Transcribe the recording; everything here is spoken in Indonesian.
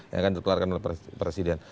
yang akan dikeluarkan oleh presiden